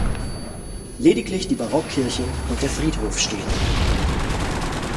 Lediglich die Barockkirche und der Friedhof stehen noch.